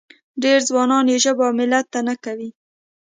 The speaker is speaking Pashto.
ډېر ځوانان یې ژبو او ملت ته نه کوي.